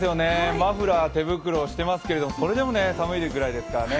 マフラー、手袋していますけどそれでも寒いぐらいですからね。